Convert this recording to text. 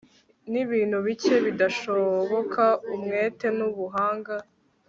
nibintu bike bidashoboka umwete nubuhanga